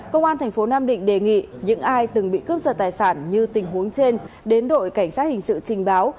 công an thành phố nam định đề nghị những ai từng bị cướp giật tài sản như tình huống trên đến đội cảnh sát hình sự trình báo